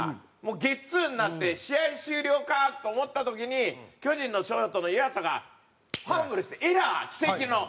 ゲッツーになって試合終了かと思った時に巨人のショートの湯浅がファンブルしてエラー奇跡の。